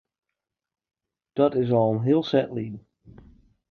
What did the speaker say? Dat is al in heel set lyn.